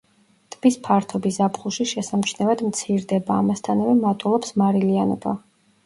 ტბის ფართობი ზაფხულში შესამჩნევად მცირდება, ამასთანავე მატულობს მარილიანობა.